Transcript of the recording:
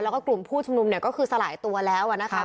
แล้วก็กลุ่มผู้ชุมนุมเนี่ยก็คือสลายตัวแล้วนะคะ